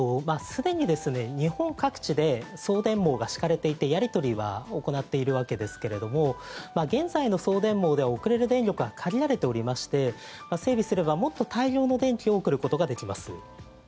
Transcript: すでに日本各地で送電網が敷かれていてやり取りは行っているわけですけれども現在の送電網で送れる電力は限られておりまして整備すればもっと大量の電気を送ることができます。